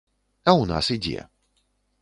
А ў нас ідзе.